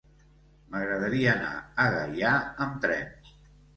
M'agradaria anar a Gaià amb tren.